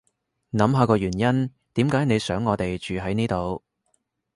諗下個原因點解你想我哋住喺呢度